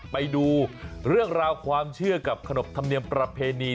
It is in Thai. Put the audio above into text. ไปดูเรื่องราวความเชื่อกับขนบธรรมเนียมประเพณี